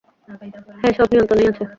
হ্যাঁ, সব নিয়ন্ত্রণেই আছে।